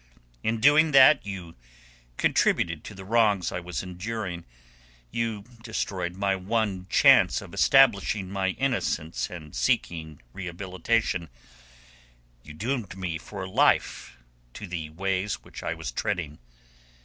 In doing that you contributed to the wrongs I was enduring, you destroyed my one chance of establishing my innocence and seeking rehabilitation, you doomed me for life to the ways which I was treading.